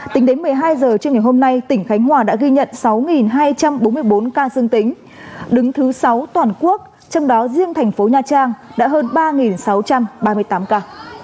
tính đến một mươi hai h trưa ngày hôm nay tỉnh khánh hòa đã ghi nhận sáu hai trăm bốn mươi bốn ca dương tính đứng thứ sáu toàn quốc trong đó riêng thành phố nha trang đã hơn ba sáu trăm ba mươi tám ca